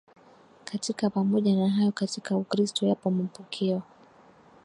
katika Pamoja na hayo katika Ukristo yapo mapokeo